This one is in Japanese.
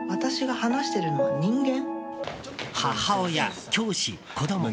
母親、教師、子供。